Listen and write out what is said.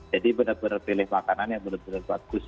jadi bener bener pilih makanan yang bener bener bagus